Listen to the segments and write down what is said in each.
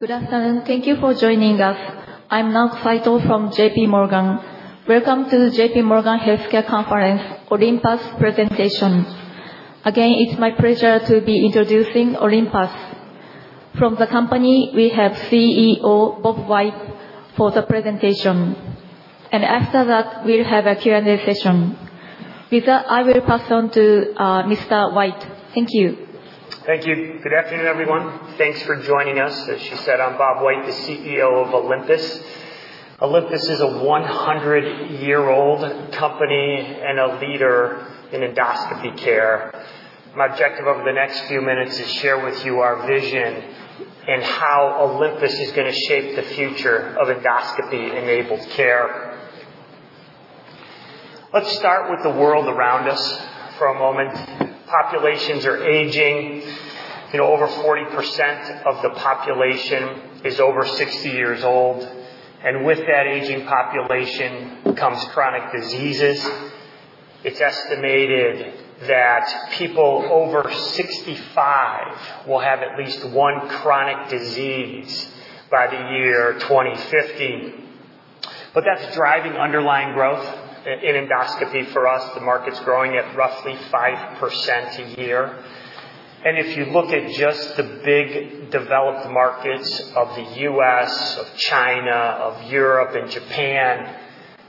Good afternoon. Thank you for joining us. I'm Naoko Saito from J.P. Morgan. Welcome to the J.P. Morgan Healthcare Conference Olympus presentation. Again, it's my pleasure to be introducing Olympus. From the company, we have CEO Bob White for the presentation, and after that, we'll have a Q&A session. With that, I will pass on to Mr. White. Thank you. Thank you. Good afternoon, everyone. Thanks for joining us. As she said, I'm Bob White, the CEO of Olympus. Olympus is a 100-year-old company and a leader in endoscopy care. My objective over the next few minutes is to share with you our vision and how Olympus is going to shape the future of endoscopy-enabled care. Let's start with the world around us for a moment. Populations are aging. Over 40% of the population is over 60 years old, and with that aging population comes chronic diseases. It's estimated that people over 65 will have at least one chronic disease by the year 2050. That's driving underlying growth in endoscopy for us. The market's growing at roughly 5% a year. If you look at just the big developed markets of the U.S., of China, of Europe, and Japan,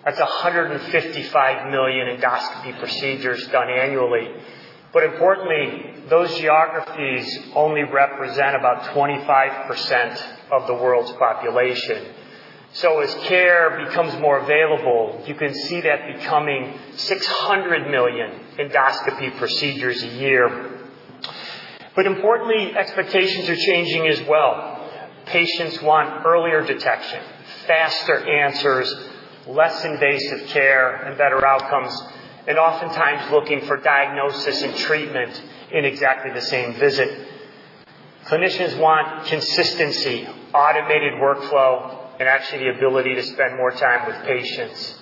that's 155 million endoscopy procedures done annually. Importantly, those geographies only represent about 25% of the world's population. As care becomes more available, you can see that becoming 600 million endoscopy procedures a year. Importantly, expectations are changing as well. Patients want earlier detection, faster answers, less invasive care, and better outcomes, and oftentimes looking for diagnosis and treatment in exactly the same visit. Clinicians want consistency, automated workflow, and actually the ability to spend more time with patients.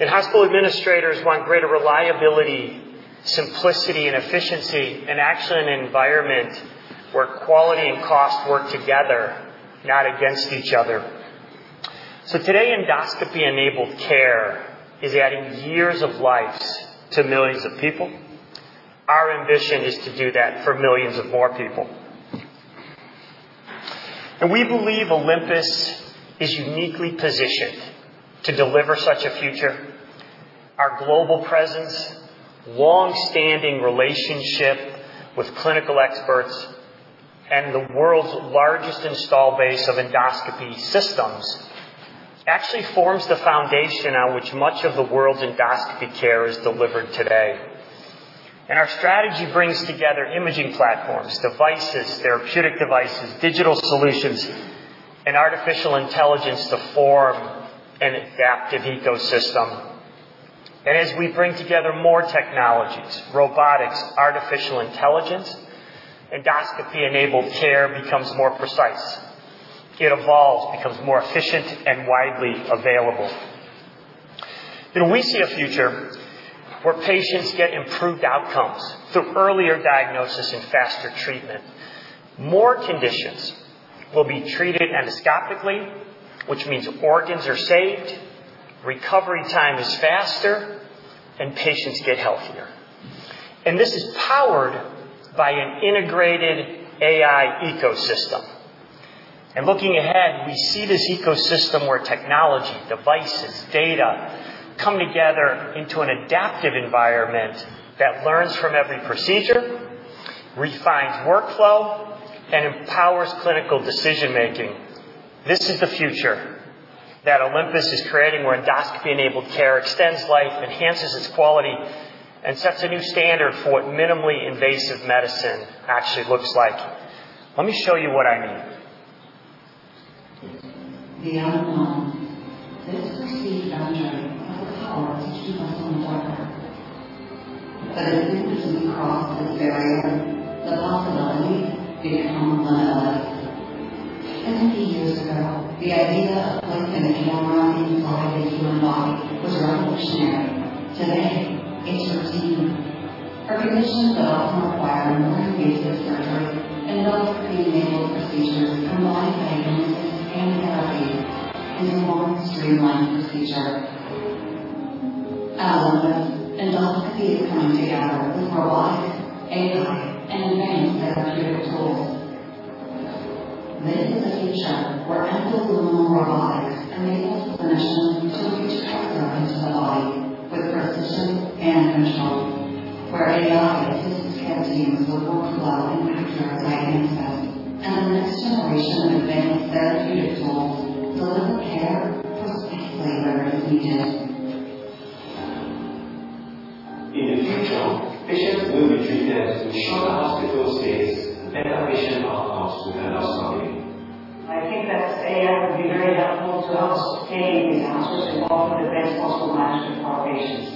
Hospital administrators want greater reliability, simplicity, and efficiency, and actually an environment where quality and cost work together, not against each other. Today, endoscopy-enabled care is adding years of life to millions of people. Our ambition is to do that for millions of more people. We believe Olympus is uniquely positioned to deliver such a future. Our global presence, long-standing relationship with clinical experts, and the world's largest install base of endoscopy systems actually forms the foundation on which much of the world's endoscopy care is delivered today. Our strategy brings together imaging platforms, devices, therapeutic devices, digital solutions, and artificial intelligence to form an adaptive ecosystem. As we bring together more technologies, robotics, artificial intelligence, endoscopy-enabled care becomes more precise. It evolves, becomes more efficient, and widely available. We see a future where patients get improved outcomes through earlier diagnosis and faster treatment. More conditions will be treated endoscopically, which means organs are saved, recovery time is faster, and patients get healthier. This is powered by an integrated AI ecosystem. Looking ahead, we see this ecosystem where technology, devices, data, come together into an adaptive environment that learns from every procedure, refines workflow, and empowers clinical decision-making. This is the future that Olympus is creating, where endoscopy-enabled care extends life, enhances its quality, and sets a new standard for what minimally invasive medicine actually looks like. Let me show you what I mean. The unknown. This perceived boundary has the power to keep us on the darker. As soon as we cross this barrier, the possibilities become limitless. A few years ago, the idea of placing a camera inside the human body was revolutionary. Today, it's routine. Our clinicians that often require more invasive surgeries and endoscopy-enabled procedures can provide diagnosis and therapy in one streamlined procedure. At Olympus, endoscopy is coming together with robotics, AI, and advanced therapeutic tools. This is a future where endoluminal robotics enables physicians to reach further into the body with precision and control. Where AI assists teams with workflow and accurate diagnosis. The next generation of advanced therapeutic tools deliver care precisely where it is needed. In the future, patients will be treated with shorter hospital stays and better patient outcomes with endoscopy. I think that AI will be very helpful to us to obtain these answers and offer the best possible management for our patients.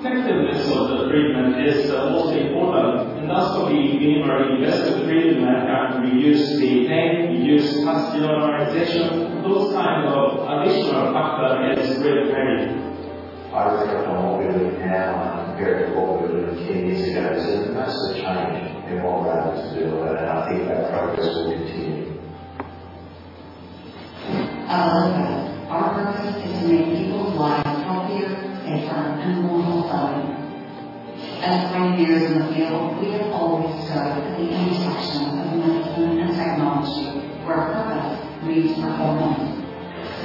Effectiveness of the treatment is the most important. Endoscopy is a very less invasive treatment that can reduce the pain, reduce postoperative complication. Those kind of additional factor is very valuable. I was thinking of what we're doing now compared to what we were doing 10 years ago. There's a massive change in what Olympus is doing. I think that progress will continue. At Olympus, our purpose is to make people's lives healthier, safer, and more fulfilling. As pioneers in the field, we have always stood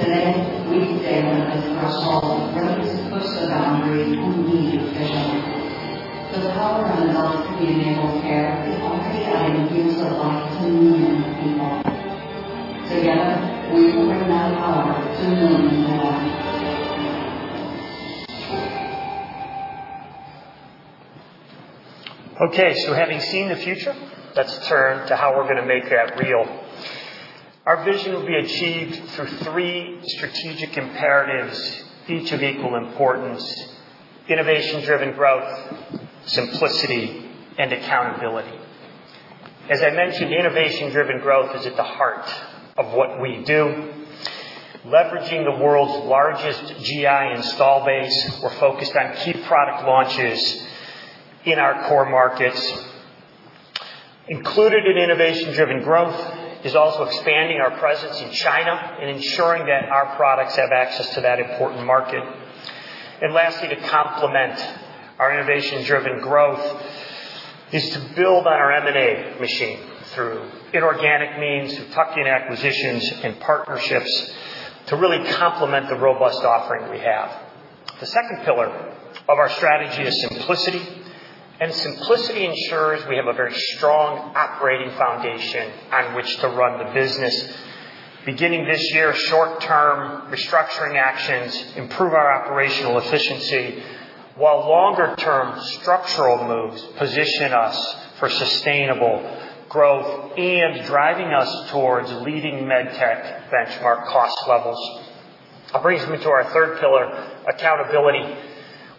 at the intersection of medicine and technology, where purpose meets performance. Today, we stand at this threshold, ready to push the boundaries we need to push. The power of endoscopy-enabled care is already adding years of life to millions of people. Together, we will bring that power to millions more. Okay. Having seen the future, let's turn to how we're going to make that real. Our vision will be achieved through three strategic imperatives, each of equal importance: innovation-driven growth, simplicity, and accountability. As I mentioned, innovation-driven growth is at the heart of what we do. Leveraging the world's largest GI install base, we're focused on key product launches in our core markets. Included in innovation-driven growth is also expanding our presence in China and ensuring that our products have access to that important market. Lastly, to complement our innovation-driven growth is to build on our M&A machine through inorganic means to tuck in acquisitions and partnerships to really complement the robust offering we have. The second pillar of our strategy is simplicity. Simplicity ensures we have a very strong operating foundation on which to run the business. Beginning this year, short-term restructuring actions improve our operational efficiency, while longer-term structural moves position us for sustainable growth and driving us towards leading MedTech benchmark cost levels. That brings me to our third pillar, accountability.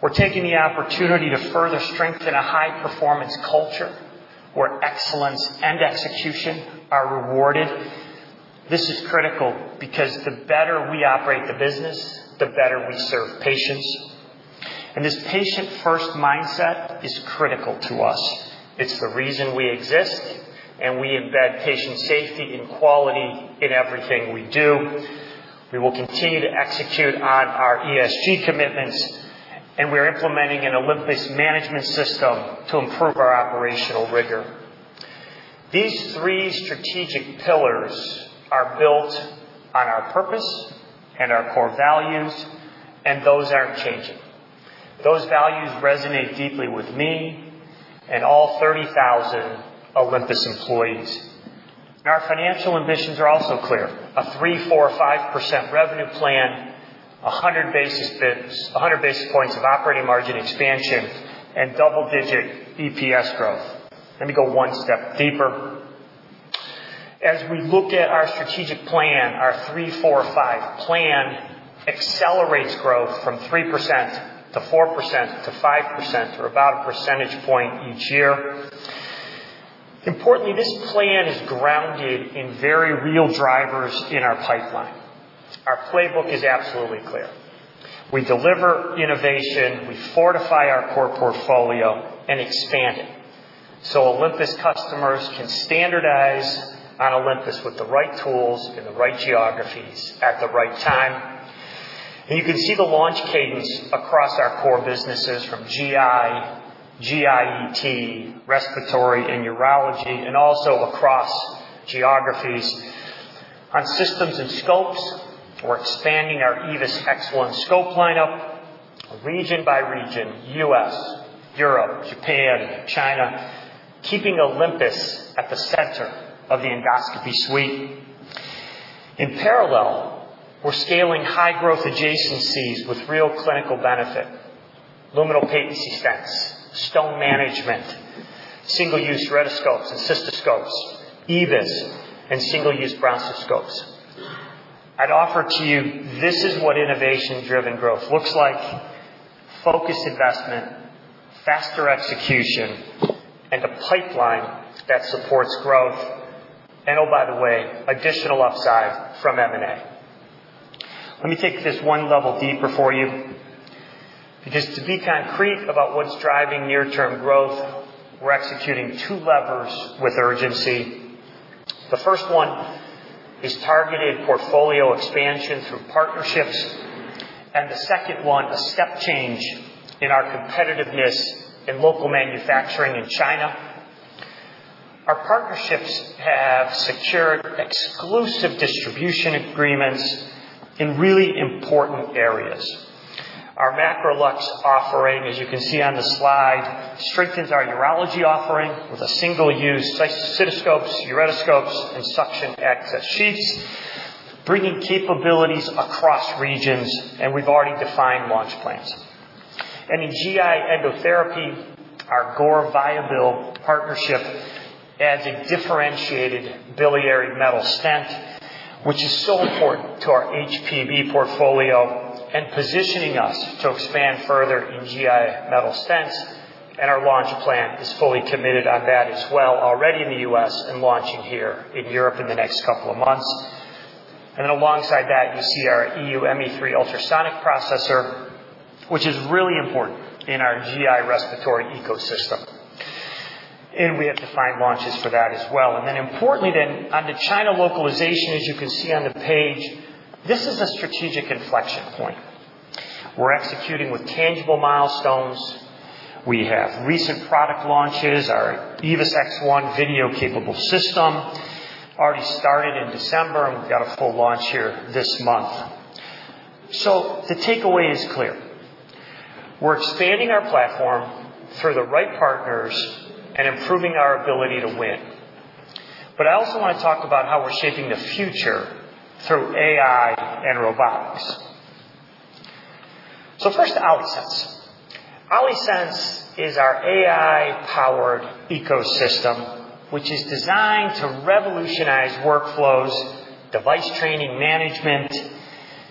We're taking the opportunity to further strengthen a high-performance culture where excellence and execution are rewarded. This is critical because the better we operate the business, the better we serve patients. This patient-first mindset is critical to us. It's the reason we exist, we embed patient safety and quality in everything we do. We will continue to execute on our ESG commitments, we're implementing an Olympus Management System to improve our operational rigor. These three strategic pillars are built on our purpose and our core values, those aren't changing. Those values resonate deeply with me and all 30,000 Olympus employees. Our financial ambitions are also clear. A 3%, 4%, 5% revenue plan, 100 basis points of operating margin expansion, double-digit EPS growth. Let me go one step deeper. As we look at our strategic plan, our 3%, 4%, 5% plan accelerates growth from 3% to 4% to 5%, or about a percentage point each year. Importantly, this plan is grounded in very real drivers in our pipeline. Our playbook is absolutely clear. We deliver innovation, we fortify our core portfolio and expand it. Olympus customers can standardize on Olympus with the right tools in the right geographies at the right time. You can see the launch cadence across our core businesses from GI ET, respiratory, urology, also across geographies. On systems and scopes, we're expanding our EVIS X1 scope lineup region by region, U.S., Europe, Japan, China, keeping Olympus at the center of the endoscopy suite. In parallel, we're scaling high-growth adjacencies with real clinical benefit. luminal patency stents, stone management, single-use ureteroscopes, single-use cystoscopes, EVIS, single-use bronchoscopes. I'd offer to you this is what innovation-driven growth looks like: focused investment, faster execution, a pipeline that supports growth. Oh, by the way, additional upside from M&A. Let me take this one level deeper for you. To be concrete about what's driving near-term growth, we're executing two levers with urgency. The first one is targeted portfolio expansion through partnerships, the second one, a step change in our competitiveness in local manufacturing in China. Our partnerships have secured exclusive distribution agreements in really important areas. Our MacroLux offering, as you can see on the slide, strengthens our urology offering with single-use cystoscopes, single-use ureteroscopes, suction access sheaths, bringing capabilities across regions, we've already defined launch plans. In GI Endotherapy, our Gore VIABIL partnership adds a differentiated biliary metal stent, which is so important to our HPB portfolio and positioning us to expand further in GI metal stents. Our launch plan is fully committed on that as well, already in the U.S. and launching here in Europe in the next couple of months. Alongside that, you see our EU-ME3 ultrasonic processor, which is really important in our GI respiratory ecosystem. We have defined launches for that as well. Importantly, on the China localization, as you can see on the page, this is a strategic inflection point. We're executing with tangible milestones. We have recent product launches. Our EVIS X1 video-capable system already started in December, we've got a full launch here this month. The takeaway is clear. We're expanding our platform through the right partners and improving our ability to win. I also want to talk about how we're shaping the future through AI and robotics. First, OLYSENSE. OLYSENSE is our AI-powered ecosystem, which is designed to revolutionize workflows, device training management,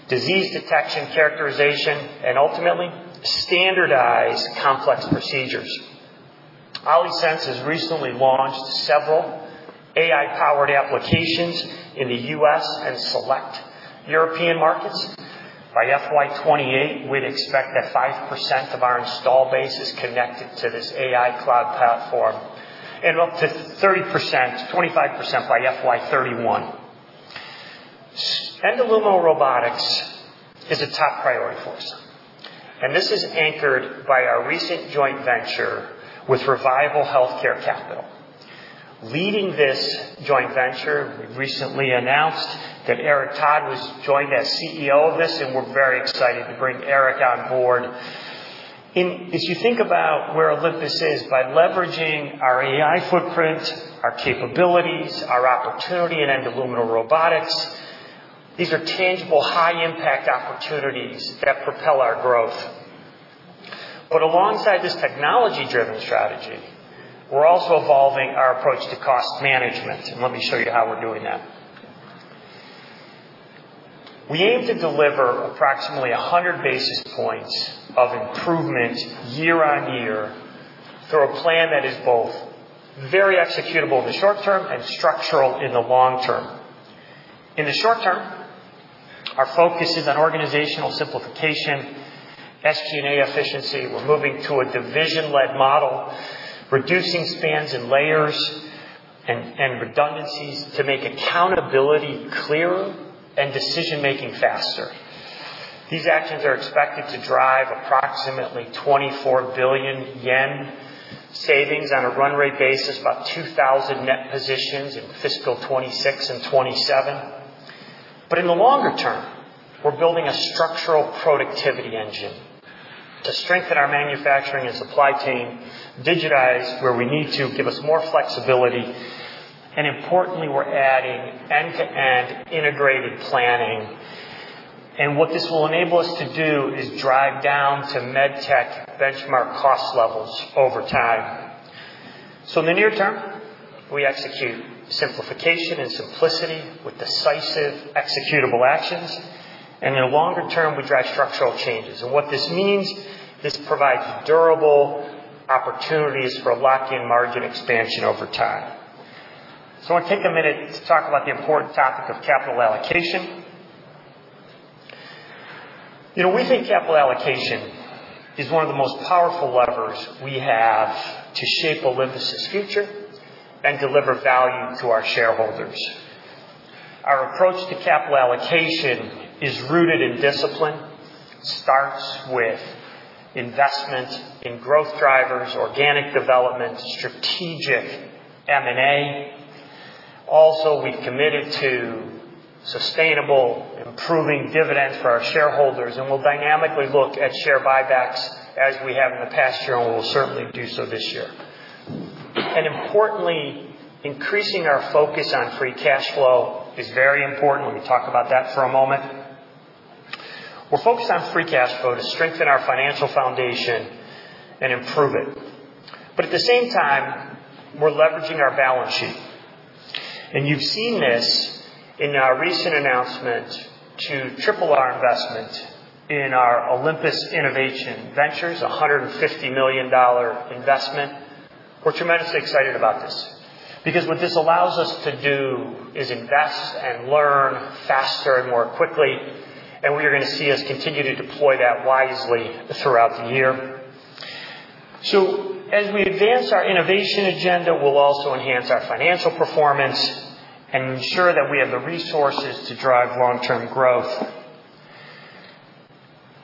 disease detection characterization, and ultimately, standardize complex procedures. OLYSENSE has recently launched several AI-powered applications in the U.S. and select European markets. By FY 2028, we'd expect that 5% of our install base is connected to this AI cloud platform, and up to 30%, 25% by FY 2031. Endoluminal robotics is a top priority for us, and this is anchored by our recent joint venture with Revival Healthcare Capital. Leading this joint venture, we've recently announced that Erik Todd has joined as CEO of this, and we're very excited to bring Erik on board. As you think about where Olympus is, by leveraging our AI footprint, our capabilities, our opportunity in endoluminal robotics, these are tangible, high-impact opportunities that propel our growth. Alongside this technology-driven strategy, we're also evolving our approach to cost management, and let me show you how we're doing that. We aim to deliver approximately 100 basis points of improvement year-on-year through a plan that is both very executable in the short term and structural in the long term. In the short term, our focus is on organizational simplification, SG&A efficiency. We're moving to a division-led model, reducing spans and layers and redundancies to make accountability clearer and decision-making faster. These actions are expected to drive approximately 24 billion yen savings on a run rate basis, about 2,000 net positions in fiscal 2026 and 2027. In the longer term, we're building a structural productivity engine to strengthen our manufacturing and supply chain, digitize where we need to, give us more flexibility, and importantly, we're adding end-to-end integrated planning. What this will enable us to do is drive down to MedTech benchmark cost levels over time. In the near term, we execute simplification and simplicity with decisive executable actions, and in the longer term, we drive structural changes. What this means, this provides durable opportunities for lock-in margin expansion over time. I want to take a minute to talk about the important topic of capital allocation. We think capital allocation is one of the most powerful levers we have to shape Olympus's future and deliver value to our shareholders. Our approach to capital allocation is rooted in discipline. It starts with investment in growth drivers, organic development, strategic M&A. Also, we've committed to sustainable improving dividends for our shareholders, and we'll dynamically look at share buybacks as we have in the past year, and we'll certainly do so this year. Importantly, increasing our focus on free cash flow is very important. Let me talk about that for a moment. We're focused on free cash flow to strengthen our financial foundation and improve it. At the same time, we're leveraging our balance sheet. You've seen this in our recent announcement to triple our investment in our Olympus Innovation Ventures, $150 million investment. We're tremendously excited about this, because what this allows us to do is invest and learn faster and more quickly, and what you're going to see is continue to deploy that wisely throughout the year. As we advance our innovation agenda, we'll also enhance our financial performance and ensure that we have the resources to drive long-term growth.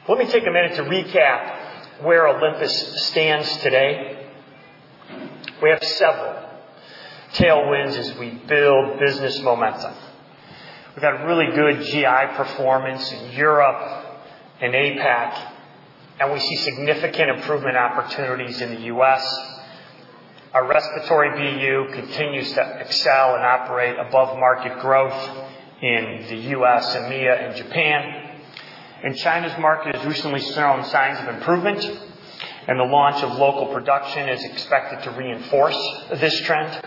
Let me take a minute to recap where Olympus stands today. We have several tailwinds as we build business momentum. We've got really good GI performance in Europe and APAC, and we see significant improvement opportunities in the U.S. Our respiratory BU continues to excel and operate above market growth in the U.S., EMEA, and Japan. China's market has recently shown signs of improvement, and the launch of local production is expected to reinforce this trend.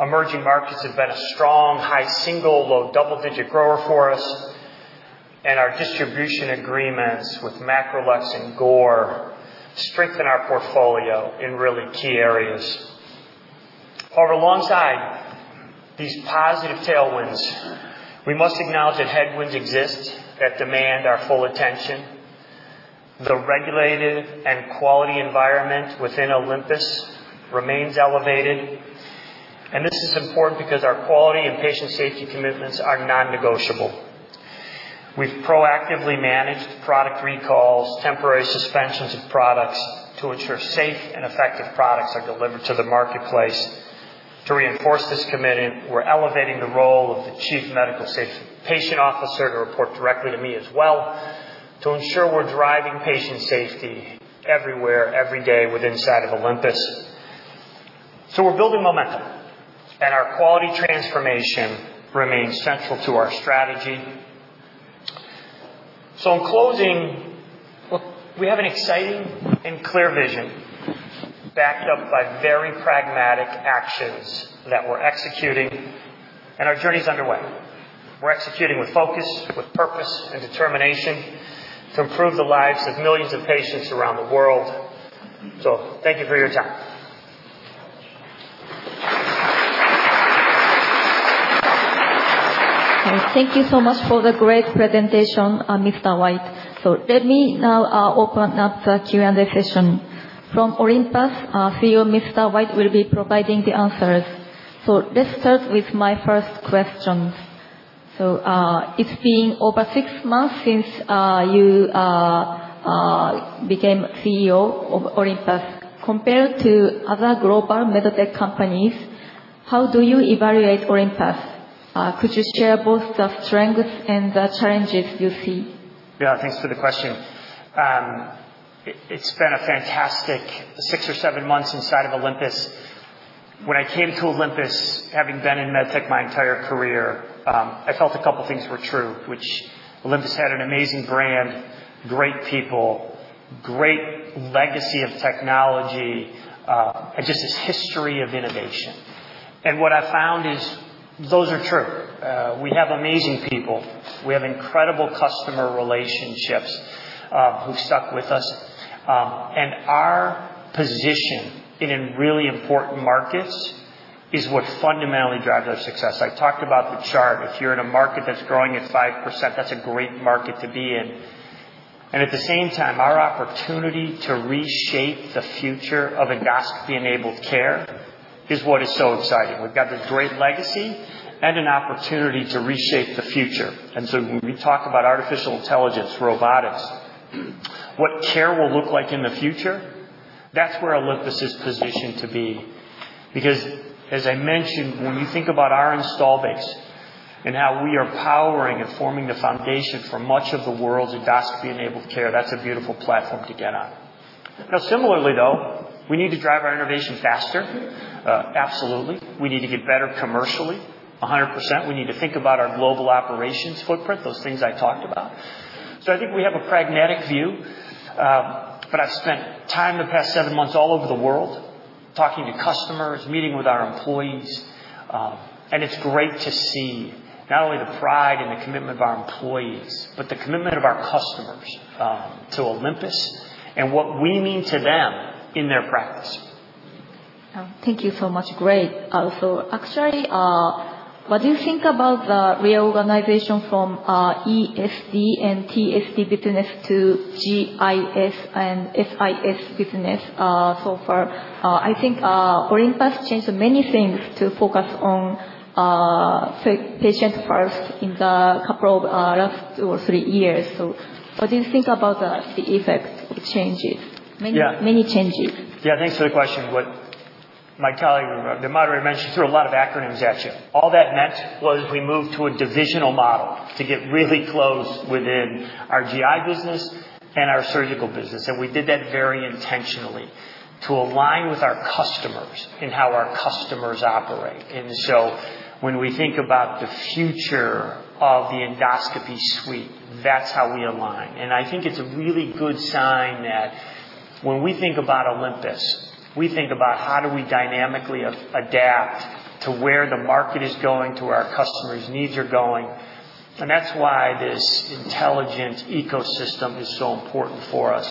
Emerging markets have been a strong high single, low double-digit grower for us. Our distribution agreements with MacroLux and Gore strengthen our portfolio in really key areas. Alongside these positive tailwinds, we must acknowledge that headwinds exist that demand our full attention. The regulated and quality environment within Olympus remains elevated, and this is important because our quality and patient safety commitments are non-negotiable. We've proactively managed product recalls, temporary suspensions of products, to ensure safe and effective products are delivered to the marketplace. To reinforce this commitment, we're elevating the role of the Chief Medical Safety & Patient Officer to report directly to me as well, to ensure we're driving patient safety everywhere, every day, within sight of Olympus. We're building momentum, and our quality transformation remains central to our strategy. In closing, look, we have an exciting and clear vision backed up by very pragmatic actions that we're executing, and our journey's underway. We're executing with focus, with purpose and determination to improve the lives of millions of patients around the world. Thank you for your time. Thank you so much for the great presentation, Mr. White. Let me now open up the Q&A session. From Olympus, our CEO, Mr. White, will be providing the answers. Let's start with my first question. It's been over six months since you became CEO of Olympus. Compared to other global MedTech companies, how do you evaluate Olympus? Could you share both the strengths and the challenges you see? Yeah, thanks for the question. It's been a fantastic six or seven months inside of Olympus. When I came to Olympus, having been in MedTech my entire career, I felt a couple things were true, which Olympus had an amazing brand, great people, great legacy of technology, and just this history of innovation. What I found is those are true. We have amazing people. We have incredible customer relationships, who've stuck with us. Our position in really important markets is what fundamentally drives our success. I talked about the chart. If you're in a market that's growing at 5%, that's a great market to be in. At the same time, our opportunity to reshape the future of endoscopy-enabled care is what is so exciting. We've got this great legacy and an opportunity to reshape the future. When we talk about artificial intelligence, robotics, what care will look like in the future, that's where Olympus is positioned to be. As I mentioned, when we think about our install base and how we are powering and forming the foundation for much of the world's endoscopy-enabled care, that's a beautiful platform to get on. Similarly, though, we need to drive our innovation faster. Absolutely. We need to get better commercially, 100%. We need to think about our global operations footprint, those things I talked about. I think we have a pragmatic view. I've spent time the past seven months all over the world, talking to customers, meeting with our employees. It's great to see not only the pride and the commitment of our employees, but the commitment of our customers to Olympus and what we mean to them in their practice. Thank you so much. Great. Actually, what do you think about the reorganization from ESD and TSD business to GIS and SIS business so far? I think Olympus changed many things to focus on patient first in the couple of last two or three years. What do you think about the effect of the changes? Yeah. Many changes. Thanks for the question. What my colleague, the moderator, mentioned, she threw a lot of acronyms at you. All that meant was we moved to a divisional model to get really close within our GI business and our surgical business. We did that very intentionally to align with our customers and how our customers operate. When we think about the future of the endoscopy suite, that's how we align. I think it's a really good sign that when we think about Olympus, we think about how do we dynamically adapt to where the market is going, to where our customers' needs are going. That's why this intelligent ecosystem is so important for us.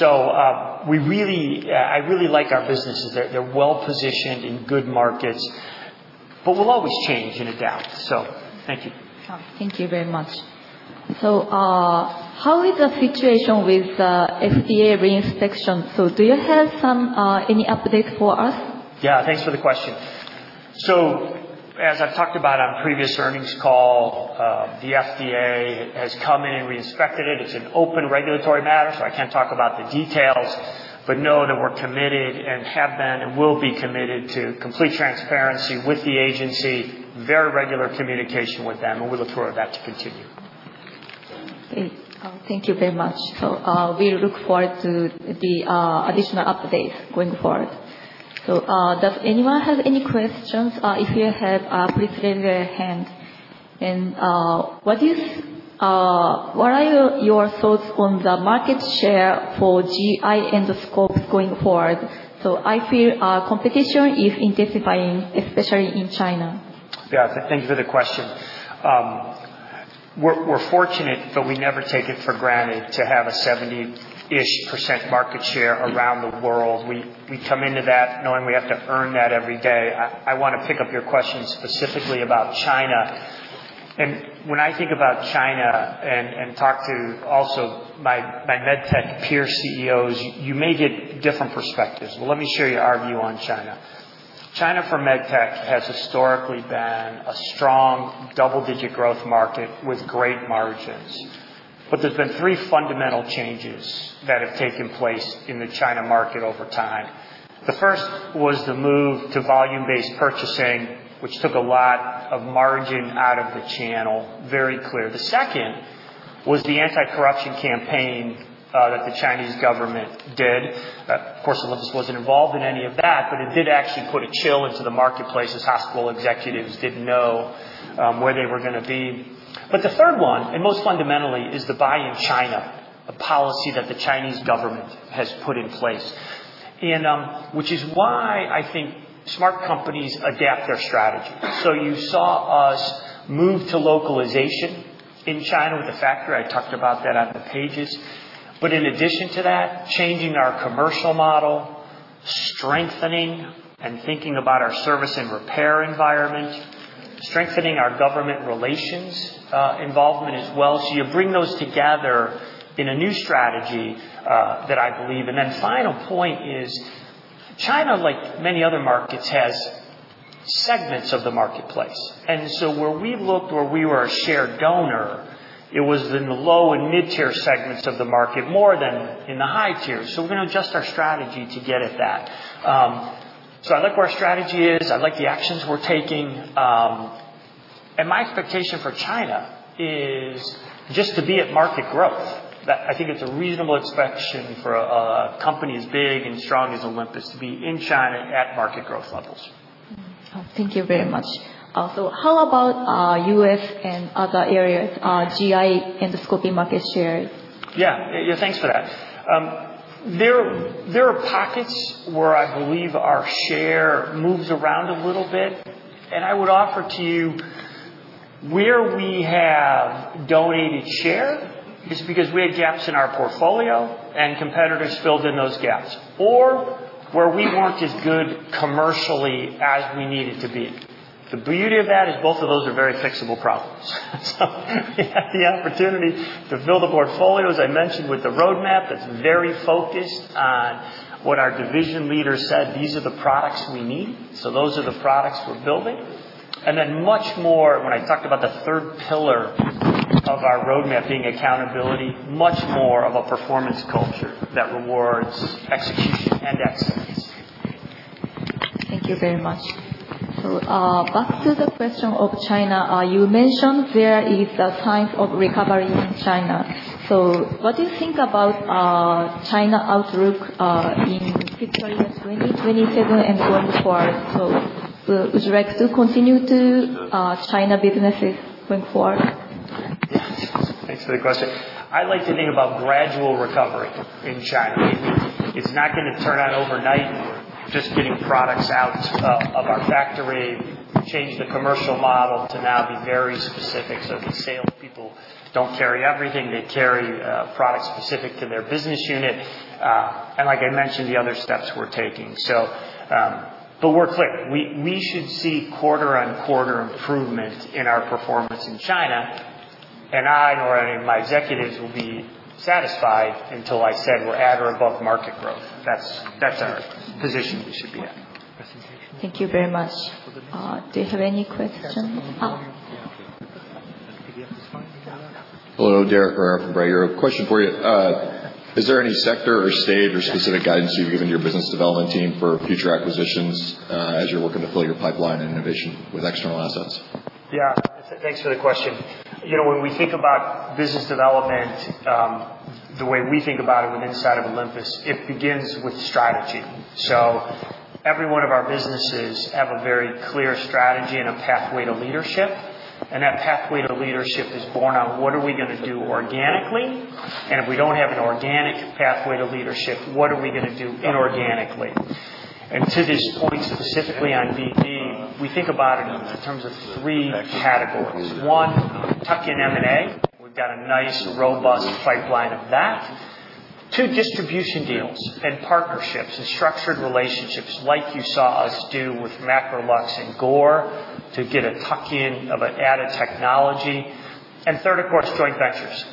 I really like our businesses. They're well-positioned in good markets, but we'll always change and adapt. Thank you. Thank you very much. How is the situation with the FDA reinspection? Do you have any update for us? Yeah, thanks for the question. As I've talked about on previous earnings call, the FDA has come in and reinspected it. It's an open regulatory matter, so I can't talk about the details, but know that we're committed and have been and will be committed to complete transparency with the agency, very regular communication with them, and we look forward to that to continue. Great. Thank you very much. We look forward to the additional updates going forward. Does anyone have any questions? If you have, please raise your hand. What are your thoughts on the market share for GI endoscopes going forward? I feel competition is intensifying, especially in China. Yeah. Thank you for the question. We're fortunate, but we never take it for granted to have a 70-ish% market share around the world. We come into that knowing we have to earn that every day. I want to pick up your question specifically about China. When I think about China and talk to also my MedTech peer CEOs, you may get different perspectives. Let me share you our view on China. China for MedTech has historically been a strong double-digit growth market with great margins. There's been three fundamental changes that have taken place in the China market over time. The first was the move to volume-based purchasing, which took a lot of margin out of the channel. Very clear. The second was the anti-corruption campaign that the Chinese government did. Of course, Olympus wasn't involved in any of that, but it did actually put a chill into the marketplace as hospital executives didn't know where they were going to be. The third one, and most fundamentally, is the Buy in China, a policy that the Chinese government has put in place. Which is why I think smart companies adapt their strategy. You saw us move to localization in China with the factory. I talked about that on the pages. In addition to that, changing our commercial model, strengthening and thinking about our service and repair environment, strengthening our government relations involvement as well. You bring those together in a new strategy that I believe. Final point is, China, like many other markets, has segments of the marketplace. Where we looked where we were a share donor, it was in the low and mid-tier segments of the market, more than in the high tier. We're going to adjust our strategy to get at that. I like where our strategy is. I like the actions we're taking. My expectation for China is just to be at market growth. That I think it's a reasonable expectation for a company as big and strong as Olympus to be in China at market growth levels. Thank you very much. How about U.S. and other areas, GI endoscopy market shares? Yeah. Thanks for that. There are pockets where I believe our share moves around a little bit, and I would offer to you where we have donated share is because we had gaps in our portfolio, and competitors filled in those gaps, or where we weren't as good commercially as we needed to be. The beauty of that is both of those are very fixable problems. We have the opportunity to fill the portfolio, as I mentioned, with the roadmap that's very focused on what our division leader said, these are the products we need, so those are the products we're building. Much more, when I talked about the third pillar of our roadmap being accountability, much more of a performance culture that rewards execution and excellence. Thank you very much. Back to the question of China. You mentioned there is a sign of recovery in China. What do you think about China outlook in fiscal year 2027 and going forward? Would you like to continue to China businesses going forward? Thanks for the question. I like to think about gradual recovery in China. It's not going to turn on overnight. We're just getting products out of our factory. We changed the commercial model to now be very specific, so the salespeople don't carry everything. They carry product specific to their business unit. Like I mentioned, the other steps we're taking. We're clear. We should see quarter-on-quarter improvement in our performance in China, and I nor any of my executives will be satisfied until I said we're at or above market growth. That's our position we should be in. Thank you very much. Do you have any question? Hello, Derek from Berenberg. Question for you. Is there any sector or stage or specific guidance you've given your business development team for future acquisitions, as you're looking to fill your pipeline and innovation with external assets? Yeah, thanks for the question. When we think about business development, the way we think about it with inside of Olympus, it begins with strategy. Every one of our businesses have a very clear strategy and a pathway to leadership, and that pathway to leadership is born on what are we going to do organically, and if we don't have an organic pathway to leadership, what are we going to do inorganically? To this point, specifically on BD, we think about it in terms of three categories. One, tuck-in M&A. We've got a nice robust pipeline of that. Two, distribution deals and partnerships and structured relationships like you saw us do with MacroLux and Gore to get a tuck-in of an added technology. Third, of course, joint ventures,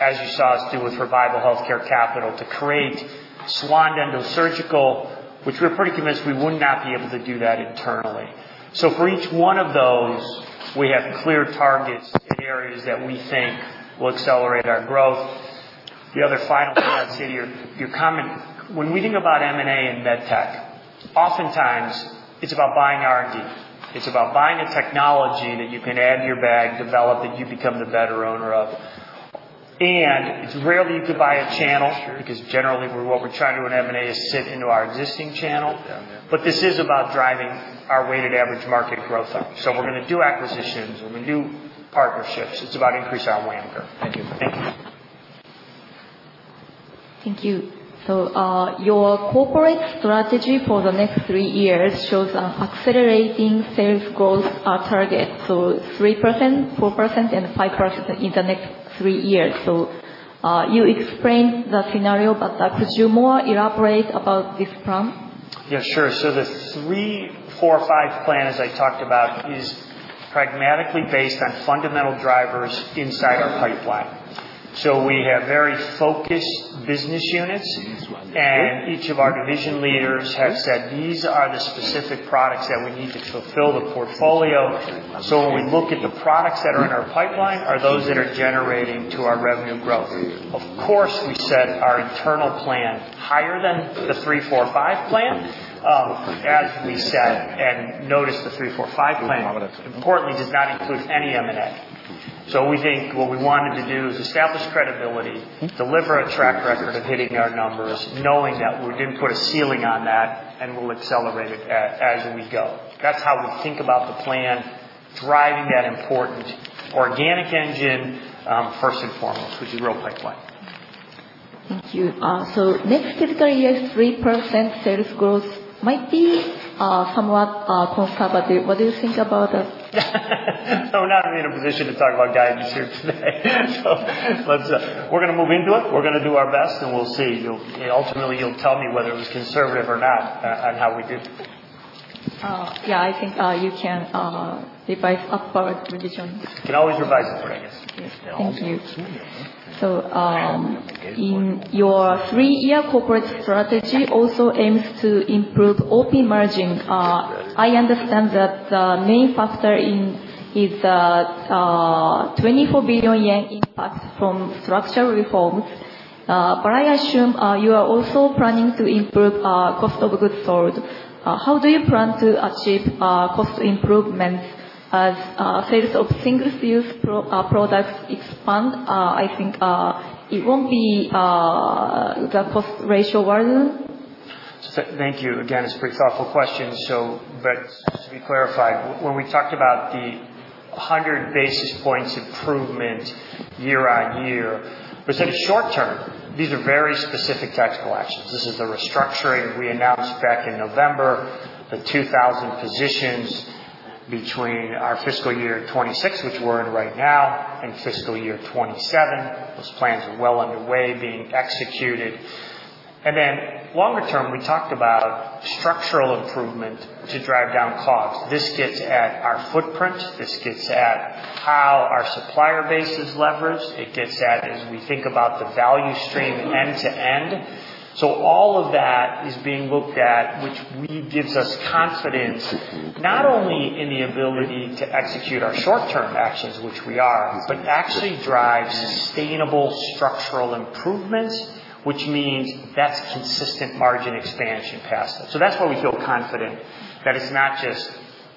as you saw us do with Revival Healthcare Capital to create Swan EndoSurgical, which we're pretty convinced we would not be able to do that internally. For each one of those, we have clear targets in areas that we think will accelerate our growth. The other final thing I'd say to your comment, when we think about M&A and MedTech, oftentimes it's about buying R&D. It's about buying a technology that you can add to your bag, develop, that you become the better owner of. It's rarely you could buy a channel, because generally what we're trying to do in M&A is sit into our existing channel. This is about driving our weighted average market growth up. We're going to do acquisitions and we do partnerships. It's about increasing our WAM growth. Thank you. Thank you. Thank you. Your corporate strategy for the next three years shows an accelerating sales growth target. 3%, 4%, and 5% in the next three years. You explained the scenario, but could you more elaborate about this plan? Yeah, sure. The three, four, five plan, as I talked about, is pragmatically based on fundamental drivers inside our pipeline. We have very focused business units, and each of our division leaders have said these are the specific products that we need to fulfill the portfolio. When we look at the products that are in our pipeline, are those that are generating to our revenue growth. Of course, we set our internal plan higher than the three, four, five plan. As we said, and noticed the three, four, five plan, importantly, does not include any M&A. We think what we wanted to do is establish credibility, deliver a track record of hitting our numbers, knowing that we didn't put a ceiling on that, and we'll accelerate it as we go. That's how we think about the plan, driving that important organic engine, first and foremost, with the real pipeline. Thank you. Next fiscal year, 3% sales growth might be somewhat conservative. What do you think about that? We're not going to be in a position to talk about guidance here today. We're going to move into it, we're going to do our best, and we'll see. Ultimately, you'll tell me whether it was conservative or not on how we did. Yeah, I think you can revise upward revisions. Can always revise it, right? Yes. Thank you. Always. In your three-year corporate strategy also aims to improve OP margin. I understand that the main factor is the 24 billion yen impact from structural reforms, but I assume you are also planning to improve cost of goods sold. How do you plan to achieve cost improvements as sales of single-use products expand? I think it won't be the cost ratio worsening. Thank you. Again, it's a very thoughtful question. Just to be clarified, when we talked about the 100 basis points improvement year-on-year, we said short term. These are very specific tactical actions. This is the restructuring we announced back in November, the 2,000 positions between our fiscal year 2026, which we're in right now, and fiscal year 2027. Those plans are well underway, being executed. Then longer term, we talked about structural improvement to drive down costs. This gets at our footprint, this gets at how our supplier base is leveraged. It gets at as we think about the value stream end to end. All of that is being looked at, which really gives us confidence, not only in the ability to execute our short-term actions, which we are, but actually drive sustainable structural improvements, which means that's consistent margin expansion past that. That's why we feel confident that it's not just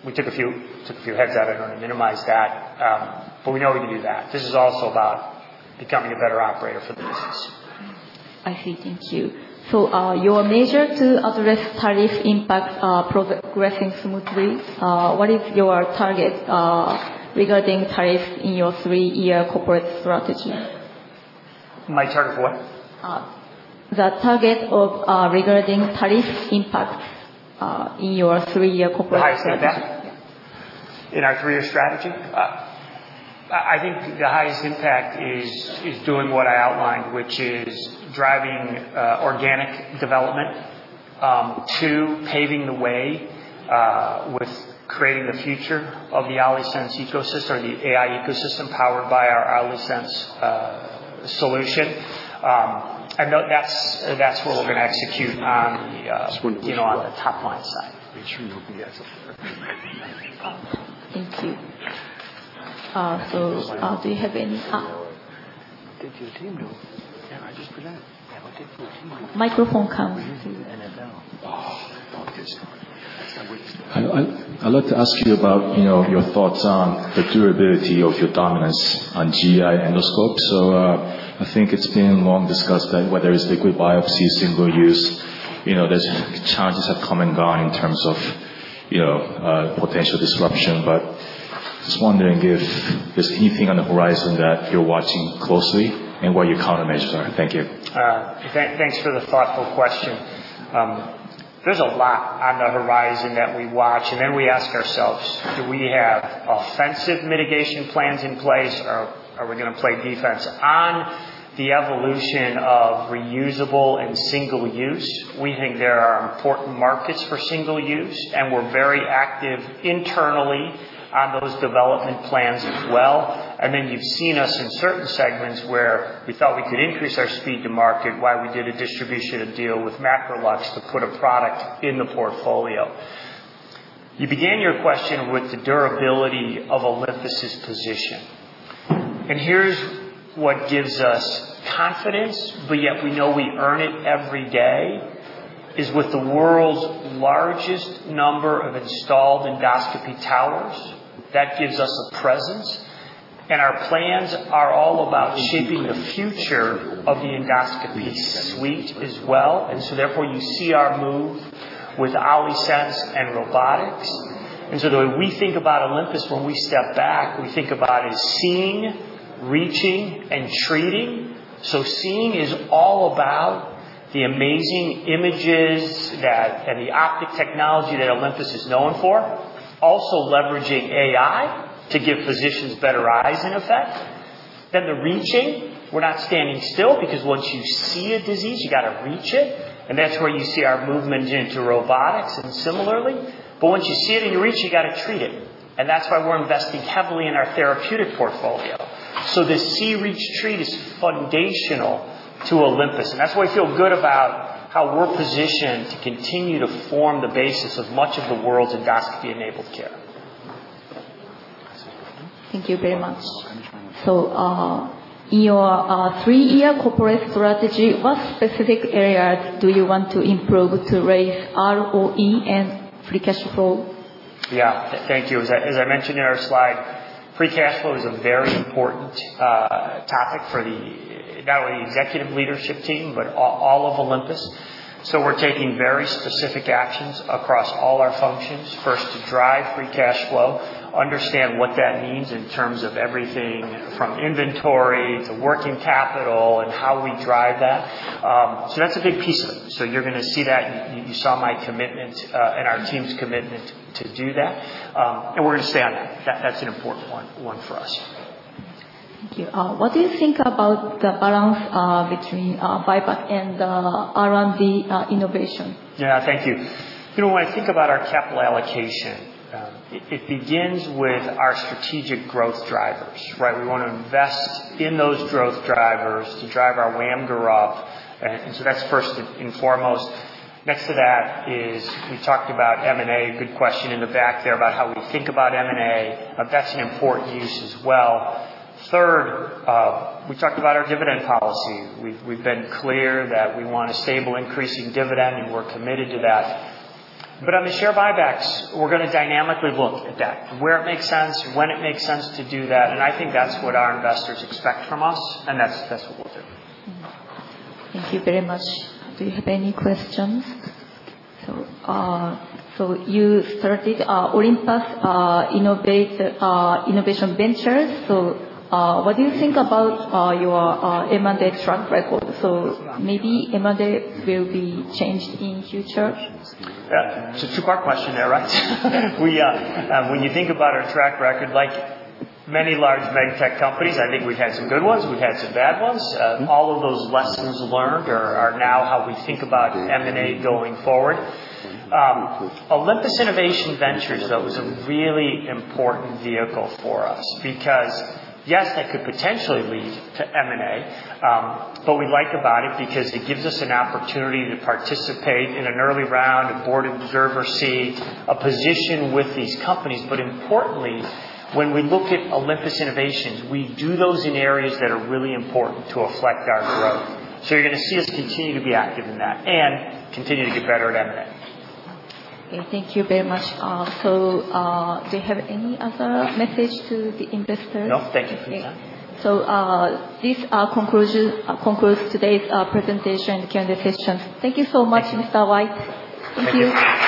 we took a few heads out. I don't want to minimize that, but we know we can do that. This is also about becoming a better operator for the business. I see. Thank you. Your measure to address tariff impacts are progressing smoothly. What is your target regarding tariff in your three-year corporate strategy? My target, what? The target of regarding tariff impacts in your three-year corporate strategy. Highest impact? Yeah. In our three-year strategy? I think the highest impact is doing what I outlined, which is driving organic development to paving the way with creating the future of the OLYSENSE ecosystem or the AI ecosystem powered by our OLYSENSE solution. I know that's what we're going to execute on the top line side. Thank you. Do you have any? Did your team know? Yeah, I just put out. Yeah, did your team know? Microphone coming to you. The NFL. Oh, focus. I'd like to ask you about your thoughts on the durability of your dominance on GI endoscope. I think it's been long discussed that whether it's liquid biopsy, single use, there's challenges have come and gone in terms of potential disruption. Just wondering if there's anything on the horizon that you're watching closely and what your countermeasures are. Thank you. Thanks for the thoughtful question. There's a lot on the horizon that we watch. Then we ask ourselves, do we have offensive mitigation plans in place, or are we going to play defense? On the evolution of reusable and single use, we think there are important markets for single use, and we're very active internally on those development plans as well. Then you've seen us in certain segments where we felt we could increase our speed to market while we did a distribution deal with MacroLux to put a product in the portfolio. You began your question with the durability of Olympus' position. Here's what gives us confidence, but yet we know we earn it every day, is with the world's largest number of installed endoscopy towers. That gives us a presence, and our plans are all about shaping the future of the endoscopy suite as well. Therefore, you see our move with OLYSENSE and Robotics. The way we think about Olympus when we step back, we think about is seeing, reaching, and treating. Seeing is all about the amazing images and the optic technology that Olympus is known for. Also leveraging AI to give physicians better eyes in effect. The reaching, we're not standing still because once you see a disease, you got to reach it, and that's where you see our movement into robotics and similarly. Once you see it and you reach it, you got to treat it, and that's why we're investing heavily in our therapeutic portfolio. This see, reach, treat is foundational to Olympus, and that's why I feel good about how we're positioned to continue to form the basis of much of the world's endoscopy-enabled care. Thank you very much. In your three-year corporate strategy, what specific areas do you want to improve to raise ROE and free cash flow? Thank you. As I mentioned in our slide, free cash flow is a very important topic for not only the executive leadership team, but all of Olympus. We're taking very specific actions across all our functions. First, to drive free cash flow, understand what that means in terms of everything from inventory to working capital and how we drive that. That's a big piece of it. You're going to see that. You saw my commitment, and our team's commitment to do that. We're going to stay on that. That's an important one for us. Thank you. What do you think about the balance between buyback and R&D innovation? Yeah. Thank you. When I think about our capital allocation, it begins with our strategic growth drivers, right? We want to invest in those growth drivers to drive our WAMGR up. That's first and foremost. Next to that is we talked about M&A. Good question in the back there about how we think about M&A. That's an important use as well. Third, we talked about our dividend policy. We've been clear that we want a stable increasing dividend, and we're committed to that. On the share buybacks, we're going to dynamically look at that. Where it makes sense, when it makes sense to do that, and I think that's what our investors expect from us, and that's what we'll do. Thank you very much. Do you have any questions? You started Olympus Innovation Ventures. What do you think about your M&A track record? Maybe M&A will be changed in future? Yeah. It's a two-part question there, right? When you think about our track record, like many large MedTech companies, I think we've had some good ones, we've had some bad ones. All of those lessons learned are now how we think about M&A going forward. Olympus Innovation Ventures, though, is a really important vehicle for us because, yes, that could potentially lead to M&A, but we like about it because it gives us an opportunity to participate in an early round, a board observer seat, a position with these companies. Importantly, when we look at Olympus innovations, we do those in areas that are really important to effect our growth. You're going to see us continue to be active in that and continue to get better at M&A. Okay. Thank you very much. Do you have any other message to the investors? No. Thank you. Okay. This concludes today's presentation Q&A session. Thank you so much, Mr. White. Thank you.